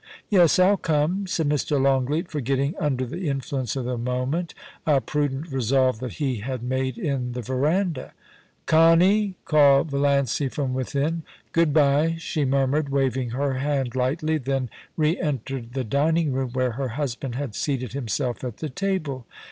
* Yes, I'll come,' said Mr. Longleat, forgetting, under the influence of the moment, a prudent resolve that he had made in the verandah. * Connie !' called Valiancy, from within. * Good bye,' she murmured, waving her hand lightly ; then re entered the dining room, where her husband had seated himself at the table.